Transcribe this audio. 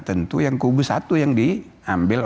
tentu yang kubu satu yang diambil